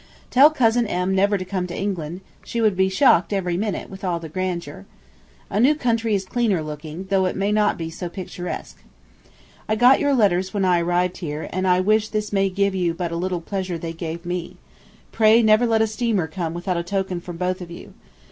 Tell Cousin M. never to come to England, she would be shocked every minute, with all the grandeur. A new country is cleaner looking, though it may not be so picturesque. I got your letters when I arrived here, and I wish this may give you but a little pleasure they gave me. Pray never let a steamer come without a token from both of you